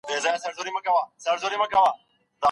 مېرمن د خاوند سره د نکاح وروسته څه پرېږدي؟